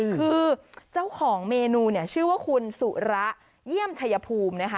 คือเจ้าของเมนูเนี่ยชื่อว่าคุณสุระเยี่ยมชัยภูมินะคะ